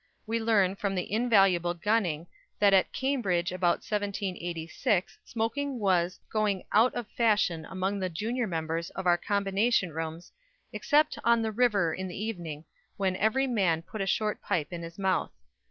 We learn from the invaluable Gunning that at Cambridge about 1786 smoking was going "out of fashion among the junior members of our combination rooms, except on the river in the evening, when every man put a short pipe in his mouth."